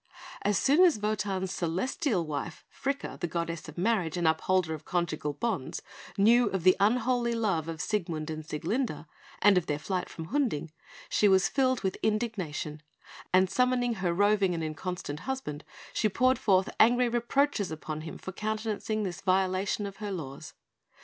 As soon as Wotan's celestial wife, Fricka, the goddess of Marriage and upholder of conjugal bonds, knew of the unholy love of Siegmund and Sieglinde, and of their flight from Hunding, she was filled with indignation; and summoning her roving and inconstant husband, she poured forth angry reproaches upon him for countenancing this violation of her laws.